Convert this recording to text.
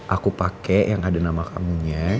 aku pakai yang ada nama kamunya